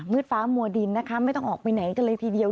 ฟ้ามัวดินนะคะไม่ต้องออกไปไหนกันเลยทีเดียว